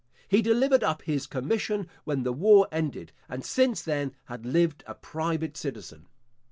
He delivered up his commission when the war ended, and since then had lived a private citizen.